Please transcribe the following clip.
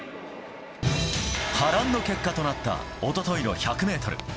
波乱の結果となった一昨日の１００ｍ。